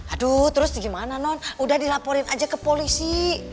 aduh terus gimana non udah dilaporin aja ke polisi